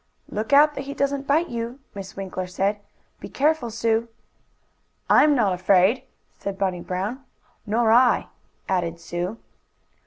"Look out that he doesn't bite you," Miss Winkler said. "Be careful, Sue!" "I'm not afraid," said Bunny Brown. "Nor I," added Sue.